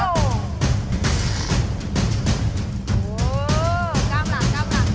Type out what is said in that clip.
โห้ยยยยกล้ามหลังกล้ามหลัง